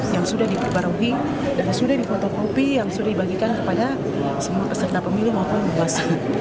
yang sudah diperbarui dan sudah difotografi yang sudah dibagikan kepada peserta pemilih maupun pembahasan